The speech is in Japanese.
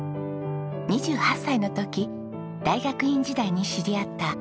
２８歳の時大学院時代に知り合った照久さんと結婚。